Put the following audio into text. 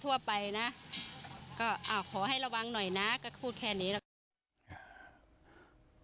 ก็อ้าวขอให้ระวังหน่อยนะก็พูดแค่นี้แหละ